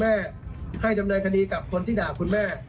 และไม่เป็นประโยชน์